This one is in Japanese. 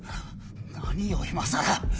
何を今更！